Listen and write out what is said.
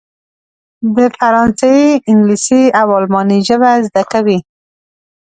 د فرانسې، انګلیسي او الماني ژبې زده کوي.